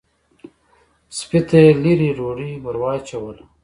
سپۍ ته یې لېرې ډوډۍ ور واچوله.